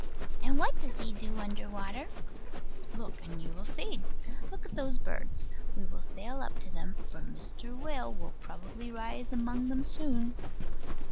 And what does he do under water? Look and you will see. Look at those birds. We will sail up to them; for Mr. Whale will probably rise among them soon.